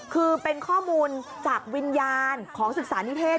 คือเป็นข้อมูลจากวิญญาณของศึกษานิเทศ